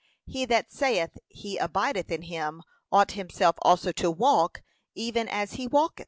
'He that saith he abideth in him, ought himself also to walk, even as he walked.'